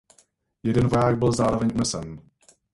Jeden voják byl zároveň unesen.